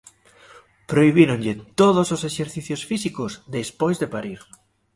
Prohibíronlle todos os exercicios físicos despois de parir.